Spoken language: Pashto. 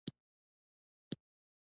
سیکهانو د پرمختګ مخه ونیوله.